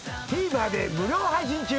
ＴＶｅｒで無料配信中。